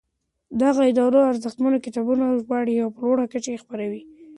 دغو ادارو ارزښتمن کتابونه ژباړي او په لوړه کچه یې خپروي.